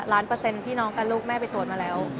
ล้านเปอร์เซ็นต์พี่น้องกับลูกแม่ไปตรวจมาแล้ว